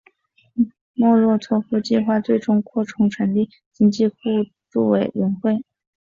莫洛托夫计划最终扩充成立经济互助委员会。